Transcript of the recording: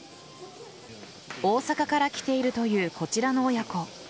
大阪から来ているというこちらの親子。